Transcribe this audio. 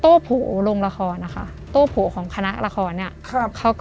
โต้โผลงละครนะคะโต้โผลของคณะละครเนี้ยครับ